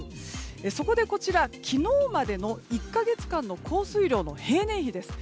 そこで昨日までの１か月間の降水量の平年比です。